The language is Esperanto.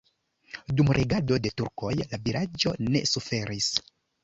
Dum regado de turkoj la vilaĝo ne suferis.